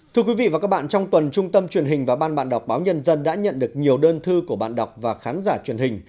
thưa quý vị và các bạn trong tuần trung tâm truyền hình và ban bạn đọc báo nhân dân đã nhận được nhiều đơn thư của bạn đọc và khán giả truyền hình